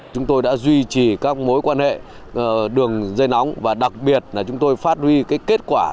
chúng tôi đã duy trì các mối quan hệ đường dây nóng và đặc biệt là chúng tôi phát huy kết quả